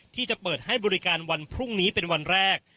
ที่จะเปิดให้บริการวันพรุ่งนี้เป็นวันแรก